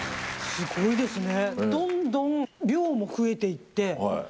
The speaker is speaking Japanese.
すごいですね。